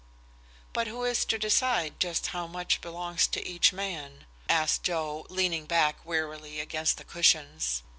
"But who is to decide just how much belongs to each man?" asked Joe, leaning back wearily against the cushions.